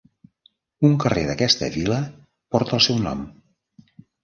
Un carrer d'aquesta vila porta el seu nom.